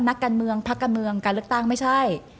นักการเมืองพักการเมืองการเลือกตั้งไม่ใช่